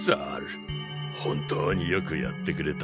本当によくやってくれた。